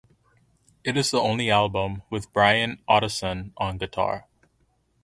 It is the only album with Bryan Ottoson on guitar.